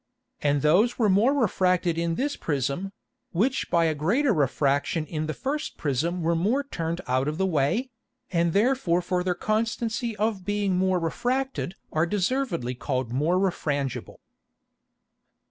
And those were more refracted in this Prism, which by a greater Refraction in the first Prism were more turned out of the way, and therefore for their Constancy of being more refracted are deservedly called more refrangible.